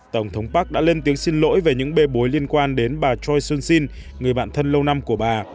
tổng thống park đã lên tiếng xin lỗi về những bê bối liên quan đến bà choi sunshin người bạn thân lâu năm của bà